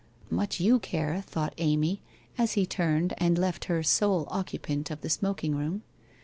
1 Much you care !' thought Amy, as he turned and left her sole occupant of the smoking room.